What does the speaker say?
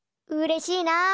うれしいな。